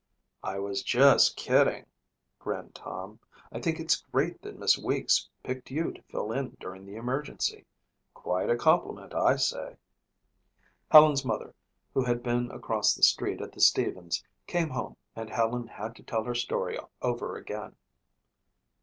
"I was just kidding," grinned Tom. "I think it's great that Miss Weeks picked you to fill in during the emergency. Quite a compliment, I say." Helen's mother, who had been across the street at the Stevens', came home and Helen had to tell her story over again.